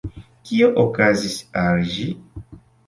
Kio okazis al ĝi?